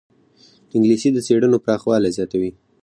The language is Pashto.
انګلیسي د څېړنو پراخوالی زیاتوي